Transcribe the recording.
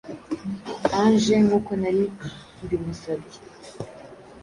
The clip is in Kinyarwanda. Ange nkuko nari mbimusabye.